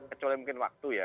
kecuali mungkin waktu ya